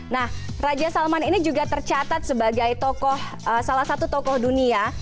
nah raja salman ini juga tercatat sebagai salah satu tokoh dunia